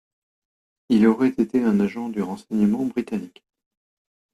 Il aurait été un agent du renseignement britannique.